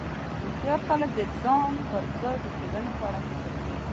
هوښیار خلک د ځان پر ځای د ټولنې په اړه فکر کوي.